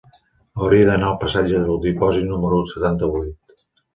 Hauria d'anar al passatge del Dipòsit número setanta-vuit.